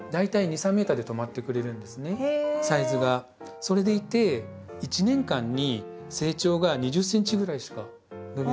それでいて１年間に成長が２０ｃｍぐらいしか伸びないので。